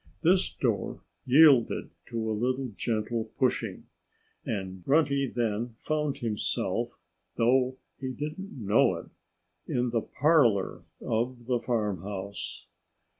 This door yielded to a little gentle pushing. And Grunty then found himself though he did not know it in the parlor of the farmhouse.